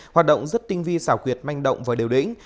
hoạt động rất tinh vi xảo quyệt manh động và đều đĩnh